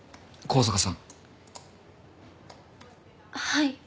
はい。